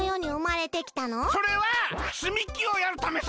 それはつみきをやるためさ。